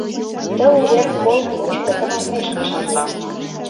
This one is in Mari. Ты увер полк мучко тыманмеш шарла.